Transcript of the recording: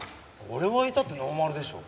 俺は至ってノーマルでしょ。